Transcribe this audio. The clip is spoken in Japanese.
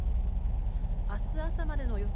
明日朝までの予想